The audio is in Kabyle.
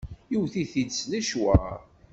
Iwwet-it-id s licwaṛ.